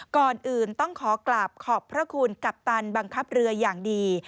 ก่อนอื่นต้องขอกราบขอบพระคุณกัปตันบังคับเรืออย่างดี